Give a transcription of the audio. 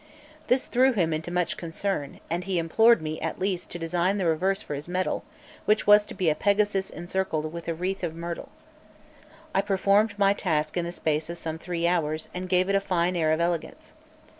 This threw him into much concern, and he implored me at least to design the reverse for his medal, which was to be a Pegasus encircled with a wreath of myrtle. I performed my task in the space of some three hours, and gave it a fine air of elegance.